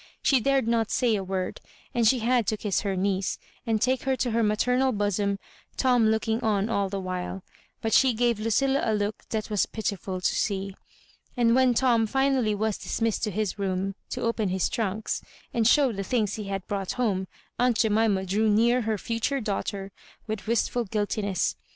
She dared not say a word, and she had to kiss her niece, and take her to her maternal bosom, Tom looking on all the while; but she gave Ludlla a look &at was pitiful to see. And when Tom finally was dis missed to his room, to open his trunks, and show the things he had brought home, aunt Jemima drew near her future daughter with wistful guiltiness.